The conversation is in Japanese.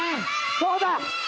そうだ！